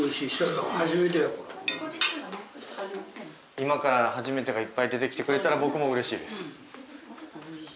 今から「初めて」がいっぱい出てきてくれたら僕もうれしいです。